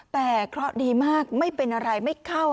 แต่เคราะห์ดีมากไม่เป็นอะไรไม่เข้า